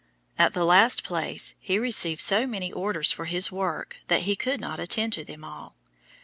At the last place he received so many orders for his work that he could not attend to them all.